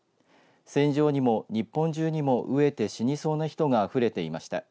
戦場にも、日本中にも飢えて死にそうな人があふれていました。